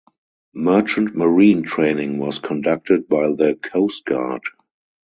Merchant Marine training was conducted by the Coast Guard.